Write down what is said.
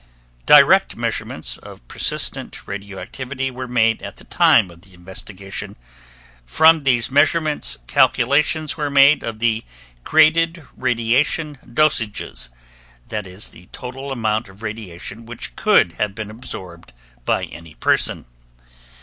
Direct measurements of persistent radioactivity were made at the time of the investigation. From these measurements, calculations were made of the graded radiation dosages, i.e., the total amount of radiation which could have been absorbed by any person.